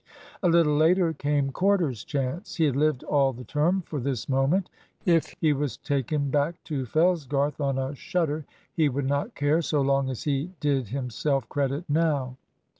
A little later came Corder's chance. He had lived all the term for this moment. If he was taken back to Fellsgarth on a shutter he would not care, so long as he did himself credit now.